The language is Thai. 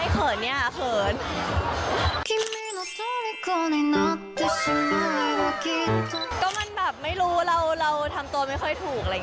ก็มันแบบไม่รู้เราทำตัวไม่ค่อยถูก